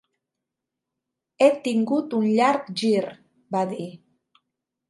"He tingut un llarg gir", va dir.